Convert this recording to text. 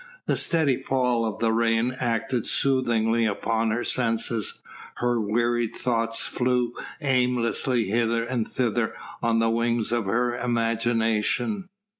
The steady fall of the rain acted soothingly upon her senses; her wearied thoughts flew aimlessly hither and thither on the wings of her imagination.